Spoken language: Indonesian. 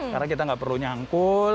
karena kita nggak perlu nyangkul